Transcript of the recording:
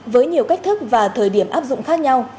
với nhiều cách thức và thời điểm áp dụng khác nhau